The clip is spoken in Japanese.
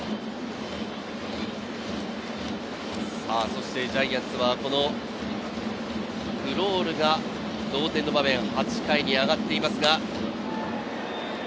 そしてジャイアンツはクロールが同点の場面、８回に上がっていますが。